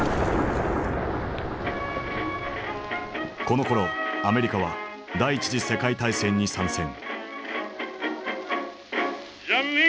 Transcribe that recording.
このころアメリカは第一次世界大戦に参戦。